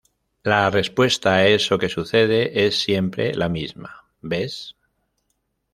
La respuesta a eso que sucede es siempre la misma: "¿Ves?